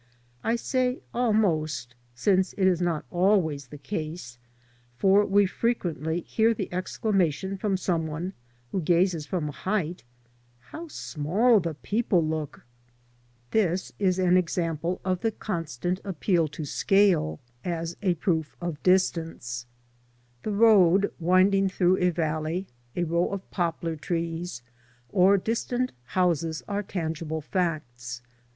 I say "almost,'* since it is not always the case, for we frequently hear the exclamation from someone who gazes from a height, " How small the people look !*' This is an example of the constant 83 "'^ 84 LANDSCAPE PAINTING IN OIL COLOUR. }! I I / appeal to scale as a proof of distance. The road winding through a valley, a row of poplar trees, or distant houses are tangible facts.